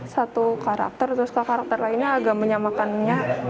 satu karakter terus ke karakter lainnya agak menyamakannya